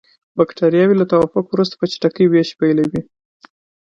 بکټریاوې له توافق وروسته په چټکۍ ویش پیلوي.